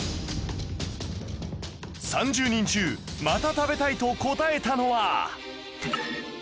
３０人中「また食べたい」と答えたのは